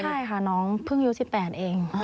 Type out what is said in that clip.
ใช่ค่ะน้องเพิ่งอายุ๑๘เอง